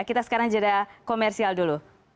kita sekarang jeda komersial dulu